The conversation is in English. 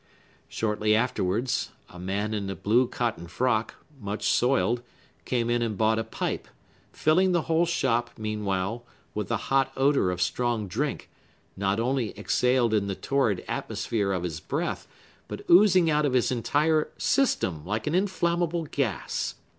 Shortly afterwards, a man in a blue cotton frock, much soiled, came in and bought a pipe, filling the whole shop, meanwhile, with the hot odor of strong drink, not only exhaled in the torrid atmosphere of his breath, but oozing out of his entire system, like an inflammable gas.